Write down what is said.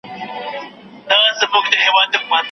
د هغه مرحوم په ویر کي ولیکل